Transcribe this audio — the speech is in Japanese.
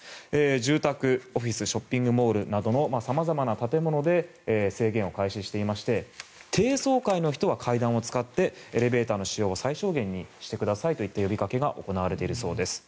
住宅、オフィスショッピングモールなどの様々な建物で制限を開始していまして低層階の人は階段を使ってエレベーターの使用を最小にしてくださいといった呼びかけが行われているそうです。